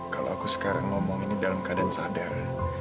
kalau aku sekarang ngomong ini dalam keadaan sadar